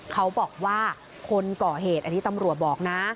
เขาบอกว่าคนก่อเหตุอันนี้ตำรวจบอกนะ